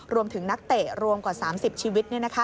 นักเตะรวมกว่า๓๐ชีวิต